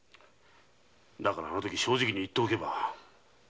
だから正直に言っておけば。